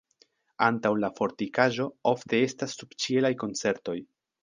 Antaŭ la fortikaĵo ofte estas subĉielaj koncertoj.